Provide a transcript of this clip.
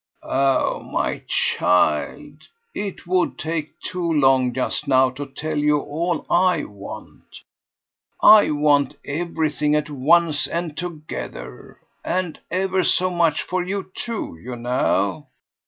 "Oh my child, it would take too long just now to tell you all I want! I want everything at once and together and ever so much for you too, you know.